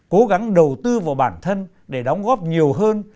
cố gắng đầu tư vào bản thân để đóng góp nhiều hơn